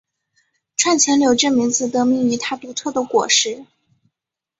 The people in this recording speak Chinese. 串钱柳这名字得名于它独特的果实。